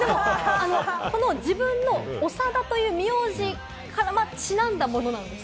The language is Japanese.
自分の「おさだ」という名字からちなんだものなんです。